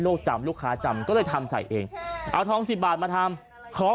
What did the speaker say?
จำลูกค้าจำก็เลยทำใส่เองเอาทองสิบบาทมาทำของ